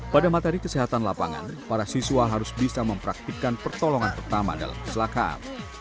pada materi kesehatan lapangan para siswa harus bisa mempraktikkan pertolongan pertama dalam keselakaan